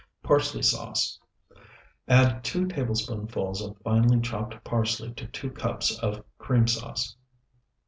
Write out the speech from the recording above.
PARSLEY SAUCE Add two tablespoonfuls of finely chopped parsley to two cups of cream sauce.